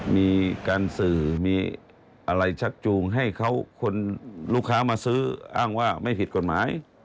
มีการสื่อมีอะไรชักจูงให้เขาคนลูกค้ามาซื้ออ้างว่าไม่ผิดกฎหมาย